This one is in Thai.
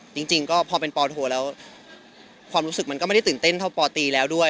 จริงก็พอเป็นปโทแล้วความรู้สึกมันก็ไม่ได้ตื่นเต้นเท่าปตีแล้วด้วย